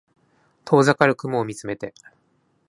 遠ざかる雲を見つめて